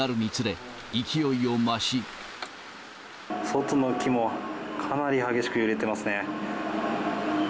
外の木も、かなり激しく揺れてますね。